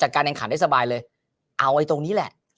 การแข่งขันได้สบายเลยเอาไอ้ตรงนี้แหละ